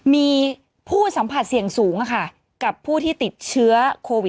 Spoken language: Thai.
มีผู้สัมผัสเสี่ยงสูงกับผู้ที่ติดเชื้อโควิด